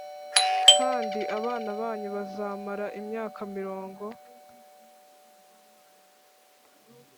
Kandi abana banyu bazamara imyaka mirongo